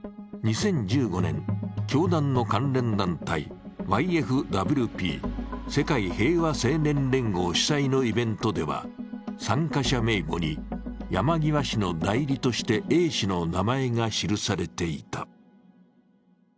２０１５年、教団の関連団体ＹＦＷＰ＝世界平和青年連合主催のイベントでは、参加者名簿に山際氏の代理としてＡ氏の名前が記されていた。